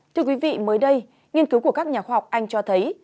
thưa quý vị mới đây nghiên cứu của các nhà khoa học anh cho thấy